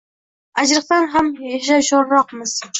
Аjriqdan ham yashovchanroqmiz.